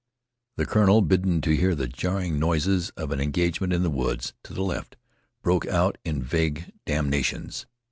The colonel, bidden to hear the jarring noises of an engagement in the woods to the left, broke out in vague damnations.